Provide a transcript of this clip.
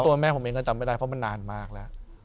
แม่ผมเองก็จำไม่ได้เพราะมันนานมากแล้ว